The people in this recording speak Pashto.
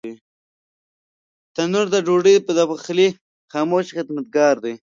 تنور د ډوډۍ د پخلي خاموش خدمتګار دی